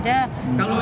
udah di laut